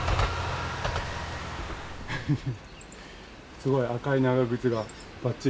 すごい赤い長靴がばっちり。